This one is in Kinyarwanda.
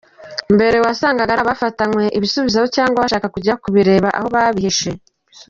Mbere wasangaga ari abafatanywe ibisubizo cyangwa se bashaka kujya kubireba aho babihishe.